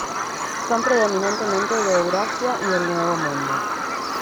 Son predominantemente de Eurasia y del Nuevo Mundo.